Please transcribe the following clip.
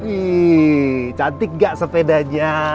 ih cantik nggak sepedanya